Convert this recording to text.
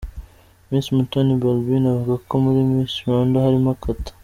Miss Mutoni Balbine avuga ko muri Miss Rwanda harimo Kata.